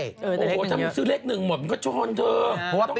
โอ้โฮถ้ามันซื้อเลขหนึ่งหมดมันก็ช้อนเถอะ